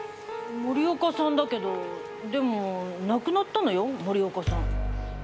森岡さんだけどでも亡くなったのよ森岡さん。